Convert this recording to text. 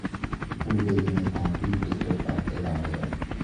او بدون تردید به صحبت ادامه داد.